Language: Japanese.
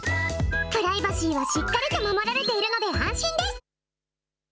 プライバシーはしっかり守られているので安心です。